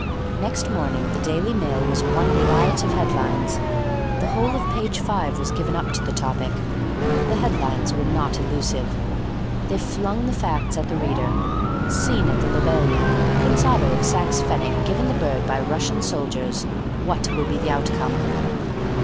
Next morning the Daily Mail was one riot of headlines. The whole of page five was given up to the topic. The headlines were not elusive. They flung the facts at the reader: SCENE AT THE LOBELIA PRINCE OTTO OF SAXE PFENNIG GIVEN THE BIRD BY RUSSIAN SOLDIERS WHAT WILL BE THE OUTCOME?